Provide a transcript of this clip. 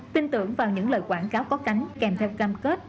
tin tưởng vào những lời quảng cáo có cánh kèm theo cam kết